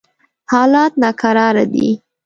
حالات ناکراره دي.